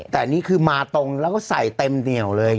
แต่นี่คือมาตรงแล้วก็ใส่เต็มเหนียวเลย